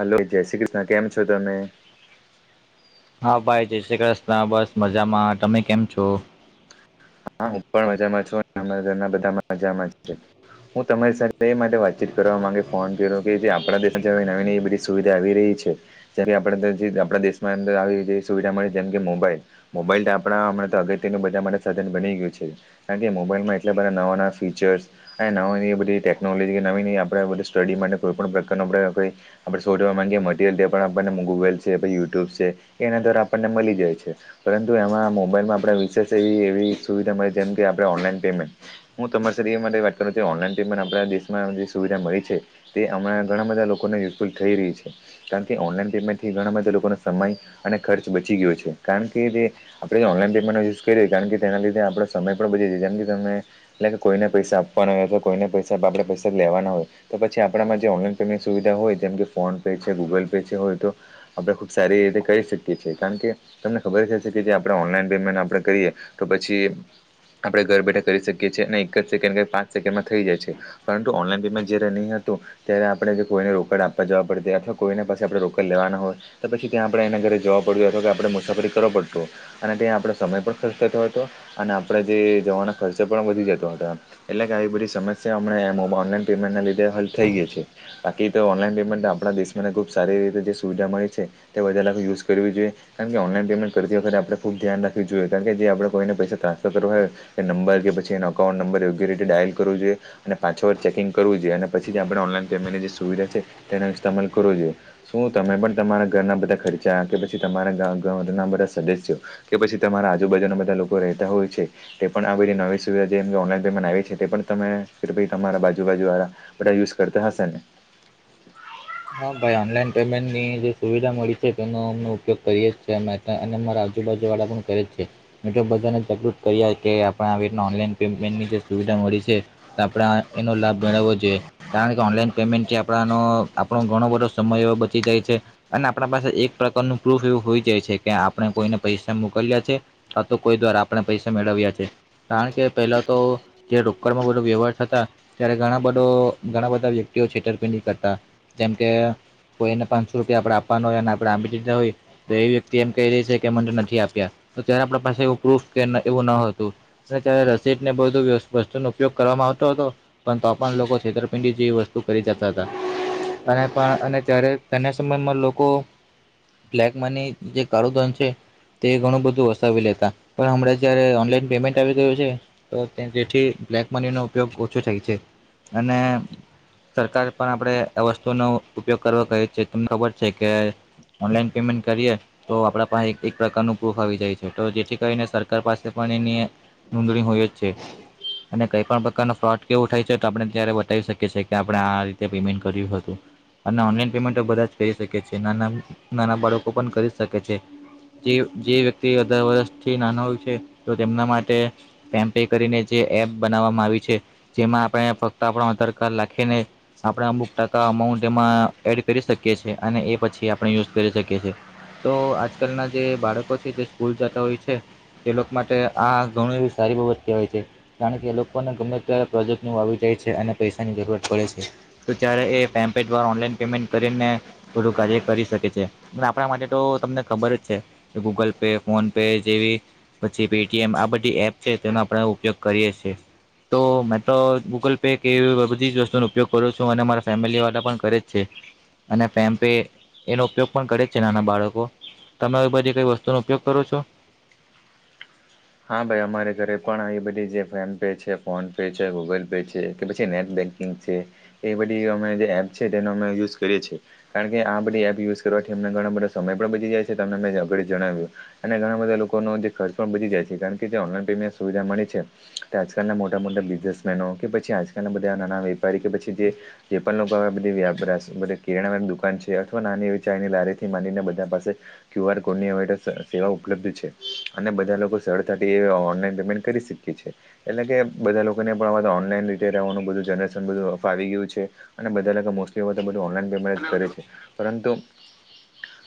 Hello જય શ્રી કૃષ્ણ કેમ છો તમે? હા ભાઈ જય શ્રી કૃષ્ણ બસ મજામાં તમે કેમ છો? હા હું પણ મજામાં છું [inaudible] ઘરના બધા મજામાં છે. હું તમારી સાથે એ માટે વાતચીત કરવા માંગે ફોન કર્યો કે જે આપણા દેશ હવે નવી નવી બધી સુવિધા આવી રહી છે જેમ કે આપ આપણા દેશમાં અંદર આવી જે સુવિધા મળે છે જેમ કે મોબાઈલ, મોબાઈલ ત આપણા હમણાં તો અગત્યનું બધા માટે સાધન, બની ગયું છે કારણ કે મોબાઈલમાં એટલા બધા નવા નવા ફીચર્સ, અ નવા એ બધી ટેકનોલોજી કે નવી નવી આપણે બધી સ્ટડી માટે કોઈ પણ પ્રકારનું આપણે કોઈ, આપણે શોધવા માગીએ મરિયલ પણ આપણને ગૂગલ છે પછી યુટ્યુબ છે. એના દ્વારા આપણને મળી જાય છે પરંતુ એમાં મોબાઈલમાં આપણે વિશેષ એવી એવી, સુવિધા મળે જેમ કે આપણે ઓનલાઈન પેમેન્ટ, હું તમારા સાથ એ માટે વાત કરું છું ઓનલાઈન પેમ આપણા દેશમાં જે સુવિધા મળી છે. તે હમણાં ઘણા બધા લોકોને યુઝફુલ થઈ રહી છે. કારણ કે ઓનલાઈન પેમેન્ટથી ઘણા બધા લોકોનો સમય અને ખર્ચ બચી ગયો છે કારણ કે જે આપણે ઓનલાઈન પેમેન્ટ નો યુઝ કરી કારણ કે તેના લીધે આપો સમય પણ બ વધી જાય છે જેમ કે તમે, એટલે કે કોઈને પૈસા આપવાના હોય અથવા કોઈને પૈસા આપડે પૈસા જ લેવાના હોય. તો પછી આપણામાં જે ઓનલાઈન પેમેન્ટ સુવિધા હોય જેમ કે ફોન પે છે ગુગલ પે છે હોય તો, આપડે ખૂબ સારી રીતે કરી શકીએ છીએ કારણ કે તમને ખબર જશે કે જે આપણે ઓનલાઈન પેમેન્ટ આપણે કરીએ તો પછી આપણે ઘર બેઠા કરી શકીએ છીએ અને એક જ સેકન્ડ કે પાંચ સેકન્ડમાં થઈ જાય છે. પરંતુ ઓનલાઈન પેમેન્ટ જે રેડી નહીં હતું. ત્યારે આપણે જો કોઈને રોકડ આપવા જવા પડતી અથવા કોઈના પાસે આપણે રોકડ લેવાના હોય, તો પછી ત્યાં આપણે એના ઘરે જવા પડ્યું અથવા કે આપણે મુસાફરી કરવા પડતૂ હો અને ત્યાં આપડો સમય પણ ખર્ચ થતો, અને આપણેે જે જવાનો ખર્ચા પણ વધી જતો હતો. એટલે કે આવી બધી સમસ્યામ ઓનલાઈન પેમેન્ટના લીધે હલ થઇ ગઈ છે. બાકી તો ઓનલાઈન પેમેન્ટ આપણા દેશ ને ખુબ સારી રીતે જે સુવિધા મળી છે. તે બધારેખ યુઝ કરવી જોઈએ કારણ કે ઓનલાઈન પેમેન્ટ કરતી વખતે આપણે ખુબ ધ્યાન રાખવી જોઈએ કારણ કે જે આપણે કોઈને પૈસા ટ્રાન્સફર કરવા હોય એ નંબર કે પછીનો અકાઉન્ટ નંબર યોગ્ય રીતે ડાયલ કરવો જોઈએ. અને પાછો વાર ચેકિંગ કરવું જોઈએ અને પછી આપણે ઓનલાઈન પેમેન્ટની જે સુવિધા છે તેનો ઇસ્તમાલ કરવો જોઈએ. શું તમે પણ તમારા ઘરના બધા ખર્ચા કે પછી તમારાના બધા સદસ્યો, કે પછી તમારા આજુબાજુના બધા લોકો રહેતા હોય છે. તે પણ આ બધી નવી સુવિધા જેમ ઓનલાઈન પેમેન્ટ આવી છે તે પણ તમે ઈ બી તમારા બાજુબાજુળા યૂઝ કરતા હશે એને. હા ભાઈ ઓનલાઈન પેમેન્ટની જે સુવિધા મળી છે તેનો અમ ઉપયોગ કરીએે જ છે અમાયે, અને મારા આજુબાજુ વાળા પણ કરે જ છે. મિત્ર બધાને જાગૃત કર્યા કે આપણા રીત નુ ઓનલાઇન પેમેન્ટની જે સુવિધા મળી છે, આપણે એનો લાભ મેળવવો જોઈએ કારણ કે ઓનલાઈન પેમેન્ટ છે આપણાનો, આપણો ઘણો બધો સમય એવો બચી જાય છે. અને આપણા પાસે એક પ્રકારનું પ્રૂફ એવું હોઈ જાય છે કે આપણે કોઈને પૈસા મોકલ્યા છે, હા તો કોઈ દ્વારા આપણે પૈસા મેળવ્યા છે. કારણ કે પેલા તો જે રોકડમાં બધો વ્યવહાર થતા, ત્યારે ઘણા બધો ઘણા બધા વ્યક્તિઓ છેતરપિંડી કરતા જેમકે કોઈને પાંસો રૂપિયા આપડે આપવાના હોય, અને આપણે આપી દિધા હોય તો એ વ્યક્તિ એમ કહી રહી છે કે મને નથી આપ્યા, તો ત્યારે આપણા પાસે એવું પ્રૂફ કે એવું ન હતું. ને ત્યારે રસીદને બધું વ્ય વસ્તુ નો ઉપયોગ કરવામાં આવતો હતો પન તો પણ લોકો છેતરપિંડીથી એ વસ્તુ કરી જાતા તા. અને પણ અને ત્યારે તેના સમયમાં લોકો બ્લેક મની જે કાળો ધન છે તે ઘણું બધું વસાવી લેતા, પણ હમણાં જયારે ઓનલાઈન પેમેન્ટ આવી ગયું છે તો તેથી બ્લેક મનીનો ઉપયોગ ઓછો થાય છે. અને સરકાર પણ આપણે આ વસ્તુનો ઉપયોગ કરા કહે છે. તમને ખબર છે કે ઓનલાઈન પેમેન્ટ કરીએ તો આપડા પાહે એક-એક પ્રકારનું પ્રૂફ આવી જાય છે. તો જેથી કરીને સરકાર પાસે પણ એની એ નોંધણી હોય જ છે. અને કંઈ પણ પ્રકાર નો ફ્રોડ કે એવું થાય છે તો આપણે ત્યારે બતાવી શકીએ છીએ, કે આપણે આ-આ રીતે પેમેન્ટ કર્યું હતું. અને ઓનલાઈન પેમેન્ટો બધા જ કરી જ શકે છે. નાના-નાના બાળકો પણ કરી જ શકે છે. જે-જે વ્યક્તિ અઢાર વર્ષથી નાનો હોય છે તો તેમના માટે પેમ પે કરીને જે એપ બનાવવામાં આવી છે, જેમાં આપણે ફક્ત આપણો આધાર કાર્ડ લાખીને આપણે અમુક ટકા અમાઉન્ટ એમાં એડ કરી શકીએ છીએ, અને એ પછી આપણે યુઝ કરી શકીએ છીએ. તો આજકાલના જે બાળકો છે તે સ્કૂલ જતા હોય છે તે લોકો માટે આ ઘણું એવી સારી બાબત કહેવાય છે. કારણ કે એ લોકોને ગમે ત્યારે પ્રોજેક્ટનું આવી જાય છે અને પૈસાની જરૂરત પડે છે. જ્યારે એ પેમ પે દ્વારા ઓનલાઈન પેમેન્ટ કરીને થોડું કાર્ય કરી શકે છે. અને આપણા માટે તો તમને ખબર જ છે ગૂગલ પે, ફોન પે જેવી પછી પેટીએમ આ બધી એપ છે તેનો આપણેે ઉપયોગ કરીએ છીએ. તો મેં તો ગૂગલ પે કેવી બધી જ વસ્તુનો ઉપયોગ કરું છ છું અને મારા ફેમિલી વાળા પણ કરે જ છે. અને પેમ પે એનો ઉપયોગ પણ કરે જ છે નાના બાળકો. તમે આવી બધી કોઈ વસ્તુ નો ઉપયોગ કરો છો? હા ભાઈ અમારે ઘરે પણ આવી બધી જે ફેન પે છે, ફોન પે છે, ગૂગલ પે છે, કે પછી નેટ બેંક [unintelligible] એ બધી અમે જે એપ છે તેનો અમે યુઝ કરીએ છીએ. કારણ કે આ બધી એપ યુઝ કરવાથી અમને ઘણા બધા સમય પણ બચી જાય છે. તમને મે જે આગળ જણાવ્યું. અને ઘણા બધા લોકોનો જે ખર્ચ પણ બચી જાય છે, કારણ કે તે ઓનલાઈન પેમે સુવિધા મળે છે. તે આજકાલના મોટા-મોટા બિઝનેસમેનો, કે પછી આજકાલના બધા નાના વેપારી કે પછી જે જે પણ લોકો આવી બધી [unintelligible] બધી કિરણા દુકાન છે, અથવા નાની એવી ચાયની લારીથી માંડીને બધા પાસે ક્યુ આર કોડની હવે તો સે સેવા ઉપલબ્ધ છે. અને બધા લોકો સરળતાથી એ ઓનલાઈન પેમેન્ટ કરી શકીએ છે. એટલે કે બધા લોકોને પણ આવા તો ઓનલાઈન રીતે રહેવાનું બધું જનરેશન બધું ફાવી ગયું છે અને બધા લોકો મોસ્ટલી હવે તો બધું ઓનલાઈન પેમેન્ટ જ કરે છે. પરંતુ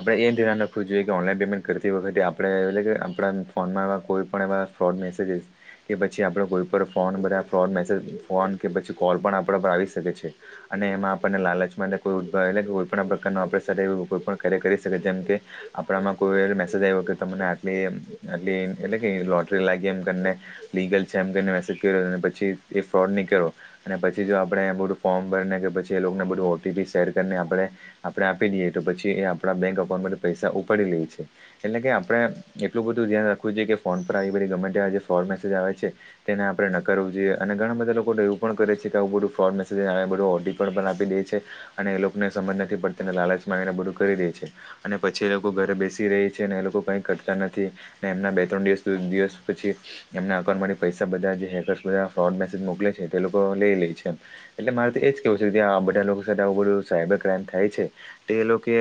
આપણે એ ધ્યાન રાખવું જોઈએ કે ઓનલાઈન પેમેન્ટ કરતી વખતે આપણે એટલે કે આપણાન ફોનમાં કોઈ પણ એવા ફ્રોડ મેસેજિસ કે પછી આપડે કોઈ પણ ફોન બધા ફ્રોડ મેસેજ ફોન કે પછી કોલ પણ આપણા પર આવી શકે છે. અને એમાં આપણને લાલચ માટે કોઈ [unintelligible] એટલે કે કોઈ પણ પ્રકારનું આપણે સરી એવું કોઈ પણ કાર્ય કરી શકીએ જેમ કે આપણામાં કોઈ એવો મેસેજ આવ્યો કે તમને આટલી-આટલી એટલે કે લોટરી લાગી એમ કરીને લીગલ છે એમ કરીને મેસેજ કર્યો, ને પછી એ ફ્રોડ નહીં નીકળયો અને પછી જો આપણેે બધું ફોર્મ ભર ને કે પછી એ લોકોને બધું ઓટીપી શેર કરીને આપણે આપણે આપી દઈએ તો પછી એ આપણા બેંક અકાઉન્ટમાંથી પૈસા ઉપાડી લે છે. એટલે કે આપણે એટલું બધું ધ્યાન રાખવું જોઈએ કે ફોન પર આવી બધી ગમ્મે ટે આજ ફોર મેસેજ આવે છે તેને આપણે ન કરવું જોઈએ અને ઘણા બધા લોકોને એવું પણ કરે છે કે આવું બધું ફ્રોડ મેસેજ [unintelligible] બધું ઓટી પણ પણ આપી દે છે. અને એ લોકોને સમજ નથી પડતીને લાલચમા આવીને બધું કરી દે છે. અને પછી એ લોકો ઘરે બેસી રહી છે અને એ લોકો કઈ કરતા નથી. અને એમના બે ત્રણ દિવસ દિવસ પછી એમના અકાઉન્ટમાંથી પૈસા બધા જે હેકર્સ બધા ફ્રોડ મેસેજ મોકલે છે તે લોકો લઈ લે છેમ. એટલે મારે તો એ જ કેવું છે કે આ બધા લોકો સાથે આવું બધું સાયબર ક્રાઈમ થાય છે તે લોકોએ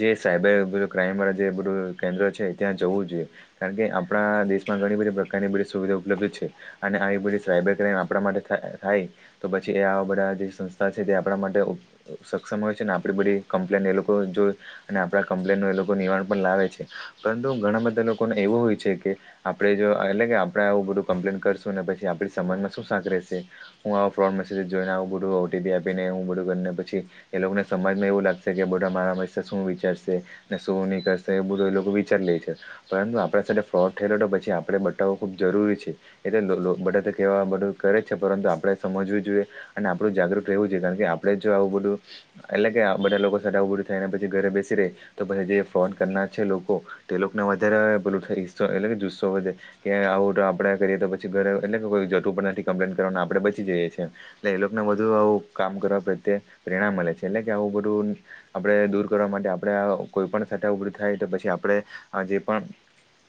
જે સાયબર ક્રાઈમ વાળા જે બધું કેન્દ્ર છે ત્યાં જવું જોએ કારણ કે આપણા દેશમાં ઘણી બધી પ્રકારની બધી સુવિધા ઉપલબ્ધ છે. અને આવી બધી સાયબર ક્રાઈમ આપણા માટે થા થાય તો પછી એ આવા બધા જે સંસ્થા છે તે આપણા માટે ઉપ સક્ષમ હોય છે ને આપડી બધી કમ્પ્લેન એ લોકો જો અને આપણા કમ્પ્લેનનું એ લોકો નિવારણ પણ લાવે છે પરંતુ ઘણા બધા લોકોને એવું હોય છે કે આપડે જો એટલે કે આપડે આવું બધું કમ્પ્લેન કરશું ને પછી આપડી સમજમાં શું શાક રહેેશે. હું આ ફ્રોડ મેસેજ જોઈને આવું બધું ઓટીપી આપીને હું બધું ગન ને પછી એ લોકોને સમજમાં એવું લાગશે કે બઢા મારા મ શું વિચારશે. ને શું નઈ કરશે એ બધું એ લોકો વિચાર લે છે. પરંતુ આપણા સાથે ફ્રોડ થયેલો તો પછી આપણે બતાવવું ખૂબ જરૂરી છે. એટલે લોલો બધા તો કેવા બધું કરે છે પરંતુ આપણે સમજવું જોઈએ. અને આપણું જાગૃત રહેવું જોઈએ કારણ કે આપણેે જો આવું બધું એટલે કે આ બધા લોકો સાથે આવું બધું થાય ને પછી ઘરે બેસી રેહ તો પછી જે ફ્રોડ કરનાર છે લોકો તે લોકને વધારે પેલું થ હિસ્સો એટલે જુસ્સો વધે. કે આવું તો આપડે કરીએ તો પછી ઘરે એટલે કે કોઈ જટું પણ નથી કમ્પ્લેન કરવાનું આપડે બચી જઈએ છીએ. એટલે એ લોકોને બધુ આવું કામ કરવા પ્રત્યે પ્રેરણા મળે છે એટલે કે આવું બધું આપણે દૂર કરવા માટે આપણે કોઈ પણ સતાા ઉપરી થાય તો પછી આપણે આ જે પણ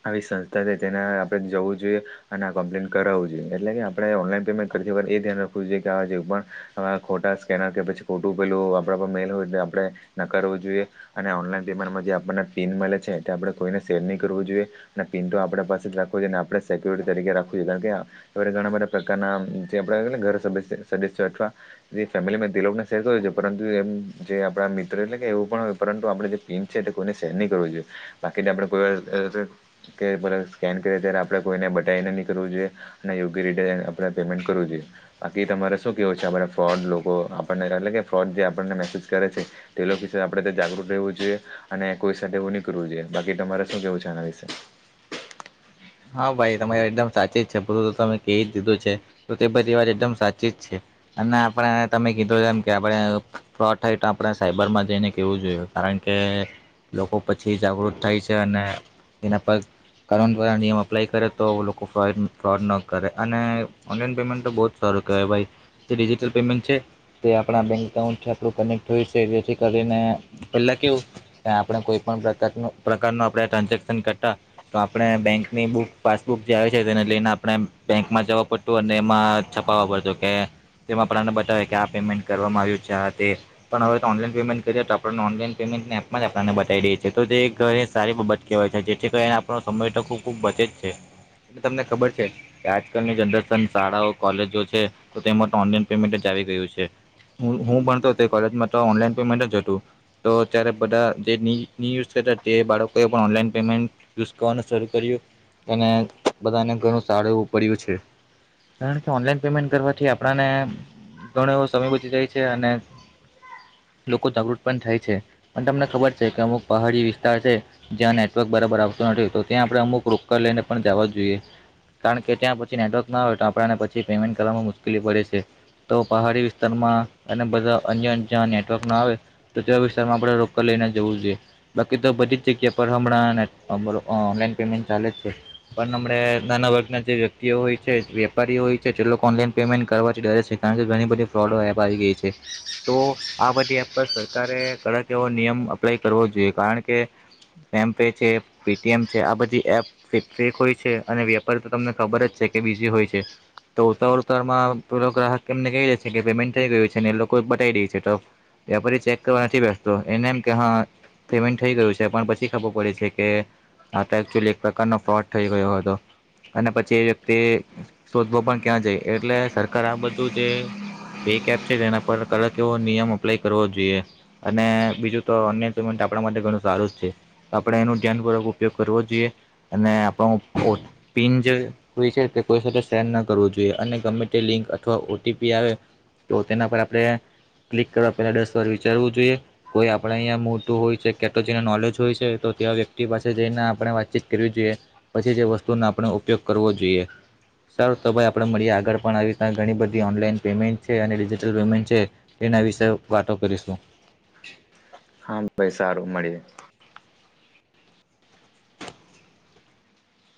આવી સંસ્થા છે તેના આપણે જવું જોઈએ. અને આ કમ્પ્લેન કરાવવું જોઈએ એટલે કે આપણે ઓનલાઈન પેમેન્ટ કરતી વખર એ ધ્યાન રાખવું જોઈએ કે આવા જે પણ આવા ખોટા સ્કેનર કે પછી ખોટું પેલું આપડા પર મેલ હોય એટલે આપણે ન કરવું જોઈએ. અને ઓનલાઈન પેમેન્ટમાં જે આપણને પીન મળે છે તે આપણે કોઈને સેર નહીં કરવું જોઈએ અને પિન તો આપણા પાસે જ રાખવો જોઈએ અને આપણે સેક્યુરિટી તરીકે રાખવું જોઈએ કારણ કે ત્યારે ઘણા બધા પ્રકારના જે આપડા [unintelligible] ઘર સદસ્ય સદસ્યો અથવા જે ફેમિલી મે તે લોકોને શેર કરો છે પરંતુ એમ જે આપણા મિત્ર એટલે કે એવું પણ હોય પરંતુ આપણેે જે મ છે કોઈને સેર નહી કરવું જોઈએ બાકીને આપડે કોઈ વાર કે બર સ્કેન કરીએ ત્યારે આપણે કોઈને બટાઈને નહીં કરવું જોઈએ. ને યોગ્ય રીતે આપણે પેમેન્ટ કરવું જોઈએ. બાકી તમારે શું કેવું છે આ બધા ફ્રોડ લોકો આપણને એટલે કે ફ્રોડ જે આપણને મેસેજ કરે છે તે લોક વિશે આપણે તે જાગૃત રહેવું જોઈએ અને કોઈ સાથે એવું નીકળવું જોઈએ બાકી તમારે શું કેવું છે એના વિશે. હા ભાઈ તમારે એકદમ સાચી જ છે બધું તો તમે કઈ જ દીધું છે. તો તે બઢી વાત એકદમ સાચી જ છે. અને આપણે તમે કીધું એમ કે આપણે ફ્રોડ થઈ તો આપણે સાયબરમાં જઈને કેવું જોયએ. કારણ કે લોકો પછી જાગૃત થાય છે અને એના પર કર ખરા નિયમ અપ્લાય કરે તો લોકો ફ્રો ફ્રોડ ન કરે અને ઓનલાઈન પેમેન્ટ તો બહુ જ સારું કહેવાય ભાઈ. જે ડિજિટલ પેમેન્ટ છે તે આપણા બેંક એકાઉન્ટ છે આપડુ કનેક્ટ હોય છે જેથી કરીને પેલા કેવું ત્યા આપડે કોઈપણ પ્રકારનું પ્રકારનું આપડે ટ્રાન્ઝેક્શન કરતા તો આપણે બેંકની બુક પાસબુક જે આવે છે તેને લઈને આપણે બેંકમાં જવા પડતું અને એમાં છપાવવા પડતુ કે તેમાં આપડાને બતાવે કે આ પેમેન્ટ કરવામાં આવ્યું છે આ તે પણ હવે તો ઓનલાઈન પેમેન્ટ કરીએ તો આપણને ઓનલાઈન પેમેન્ટની એપ પણ આપડાને બતાવી દેય છે તો તે ઘરે સારી બાબત કેહવાય છે જેથી કરીને આપણો સમય તો ખૂબ ખૂબ બચે જ છે તે તમને ખબર છે આજકાલની જનરેશન શાળાઓ કોલેજો છે તો તે મા તો ઓનલાઈન પેમેન્ટ જ ચાલી રહયુ છે હું હું ભણતો તે કોલેજમાં તો ઓનલાઈન પેમેન્ટ જ હતું તો અતયારે બધા જે ની ની યુઝ થતા તે બાળકોએ પણ ઓનલાઈન પેમેન્ટ યુઝ કવાનુ શરૂ કર્યુ અને બધાને ઘણું સારું એવું પડ્યું છે કારણ કે ઓનલાઈન પેમેન્ટ કરવાથી આપણાને ઘણો એવો સમય બચી જાય છે અને લોકો જાગૃત પણ થાય છે પણ તમને ખબર છે કે અમુક પહાડી વિસ્તાર છે જ્યાં નેટવર્ક બરાબર આવતું નથી તો ત્યાં આપણે અમુક રોકડ લેઈ ને પણ જાવા જ જોઈએ કાણ કે ત્યાં પછી નેટવર્ક ના હોય તો આપણાને પછી પેમેન્ટ કરવામાં મુ્શ્કેલી પડે છે તો પહાડી વિસ્તારમાં અને બધા અન્ય જ્યાં નેટવર્ક ન આવે તો તેવા વિસ્તારમાં આપણે રોકડ લેઈને જવું જોઈએ બાકી તો બધી જ જગ્યા પર હમણાં ને બોલો ઓ ઓનલાઈન પેમેન્ટ ચાલે જ છે પણ હમણે નાના વર્ગના જે વ્યક્તિઓ હોય છે વેપારીઓ હોય છે તે લોકો ઓનલાઈન પેમેન્ટ કરવાથી ડરે છે કારણ કે ઘણી બધી ફ્રોડો એપ આવી ગેઈ છે તો આ બધી એપ પર સરકારે કડક એવો નિયમ અપ્લાય કરવો જોઈએ કારણ કે ફેમ પે છે પે ટી એમ છે આ બધી એપ એ ફેક હોય છે અને વેપારી તો તમને ખબર જ છે કે બીજી હોય છે તો ઉતાવર ઉતાવરમાં પેલો ગ્રાહક એમને કેઈ દે છે કે પેમેન્ટ થેઈ ગયું છે ને એ લોકો બતાવી દેય છે તો વ્યાપારી ચેક કરવા નથી બેસતો એને એમ કે હં પેમેન્ટ થેઈ ગયું છે પણ પછી ખબર પડે છે કે આ તો એકચુલી પ્રકારનો ફ્રોડ થઈ ગયો હતો અને પછી એ વ્યક્તિ શોધવો પણ ક્યાં જાય એટલે સરકાર આ બધું જે પે કેપ છે એના પર કડક એવો નિયમ અપ્લાય કરવો જોઈએ અને બીજું તો અન્ય પેમેન્ટ આપણા માટે ઘણું સારું જ છે તો આપણે એનું ધ્યાનપૂર્વક ઉપયોગ કરવો જોઈએ અને આપણો ઓ પિન જે હોય છે તે કોઈ સાથે સેર ન કરવું જોઈએ અને ગમે તે લિંક અથવા ઓ ટી પી આવે તો તેના પર આપણે ક્લિક કરવા પેલા દસ વાર વિચારવું જોઈએ કોઈ આપણે અઈયા મોટું હોય છે કે તો જેને નોલેજ હોય છે તો તેવા વ્યક્તિ પાસે જઈને આપણે વાતચીત કરવી જોઈએ પછી જે વસ્તુનો આપણે ઉપયોગ કરવો જોઈએ સારુ તો ભાઈ આપણે મળીએ આગળ પણ આવી રીતના ઘણી બધી ઓનલાઈન પેમેન્ટ છે અને ડિજિટલ પેમેન્ટ છે એના વિશે વાટો કરીશું હાં ભાઈ સારું મળીએ